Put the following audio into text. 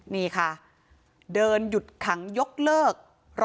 นี่ค่ะเดินหยุดขังยกเลิก